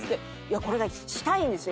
「これがしたいんですよ。